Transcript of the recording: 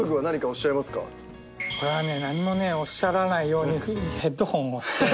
これはね何もおっしゃらないようにヘッドホンをして。